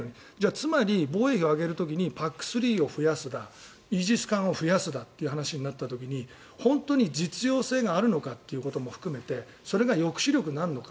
つまり防衛費を上げる時にＰＡＣ３を増やすだイージス艦を増やすだって話になった時に本当に実用性があるのかということも含めてそれが抑止力になるのか。